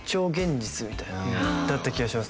だった気がします